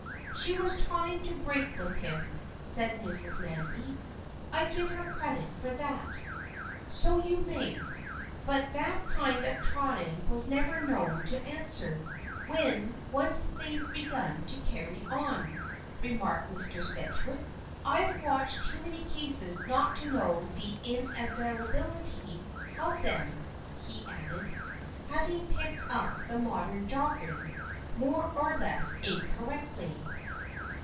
"She was trying to break with him," said Mrs. Manby. "I give her credit for that." "So you may, but that kind of trying was never known to answer, when once they've begun to carry on," remarked Mr. Sedgewick; "I've watched too many such cases not to know the inevitability of them," he added, having picked up the modern jargon, more or less incorrectly.